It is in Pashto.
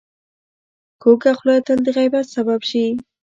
کوږه خوله تل د غیبت سبب شي